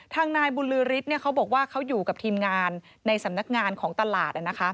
ทางนายบุญลือฤทธิ์เขาบอกว่าเขาอยู่กับทีมงานในสำนักงานของตลาด